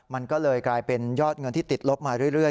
มันก็เลยกลายเป็นยอดเงินที่ติดลบมาเรื่อย